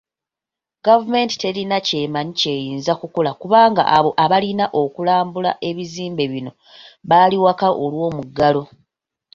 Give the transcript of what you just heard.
Gavumenti terina kyamaanyi ky'eyinza kukola kubanga abo abalina okulambula ebizimbe bino bali waka olw'omuggalo.